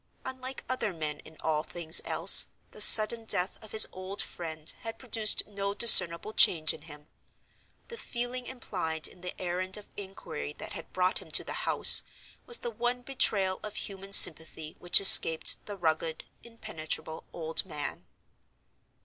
Unlike other men in all things else, the sudden death of his old friend had produced no discernible change in him. The feeling implied in the errand of inquiry that had brought him to the house was the one betrayal of human sympathy which escaped the rugged, impenetrable old man.